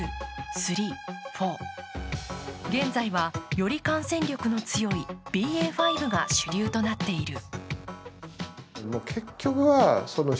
１、２、３、４、現在は、より感染力の強いＢＡ．５が主流となっている。